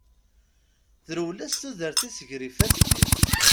Terwel-as tudert-is gar ifasen-is.